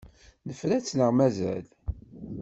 Nefra-tt neɣ mazal?